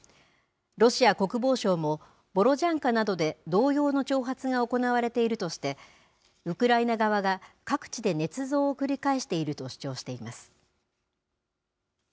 ロシア国防省も、ボロジャンカなどで同様の挑発が行われているとして、ウクライナ側が各地でねつ造を繰り返していると主張しています。